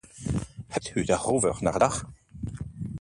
Hebt u daarover nagedacht?